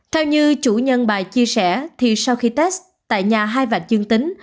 theo như chủ nhân bài chia sẻ thì sau khi test tại nhà hai vạn dương tính